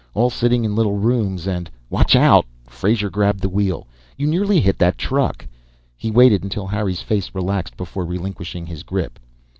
All sitting in little rooms and " "Watch out!" Frazer grabbed the wheel. "You nearly hit that truck." He waited until Harry's face relaxed before relinquishing his grip.